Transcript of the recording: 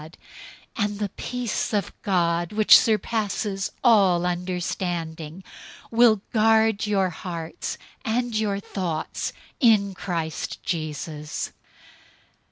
004:007 And the peace of God, which surpasses all understanding, will guard your hearts and your thoughts in Christ Jesus.